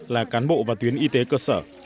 là cán bộ và tuyến y tế cơ sở